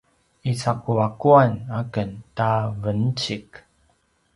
icaquaquan a ken ta vencik